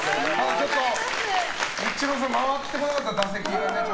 ちょっとニッチローさん回ってこなかった、打席が。